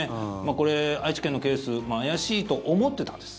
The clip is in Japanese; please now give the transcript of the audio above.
これ、愛知県のケース怪しいと思ってたんです。